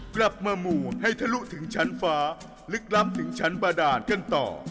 กลับมาหมู่ให้ทะลุถึงชั้นฟ้าลึกล้ำถึงชั้นประดาษกันต่อ